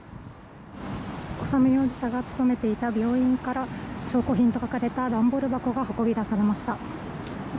修容疑者が勤めていた病院から、証拠品と書かれた段ボール箱が運び出されました。